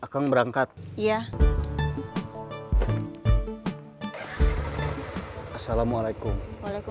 kenapa lu heret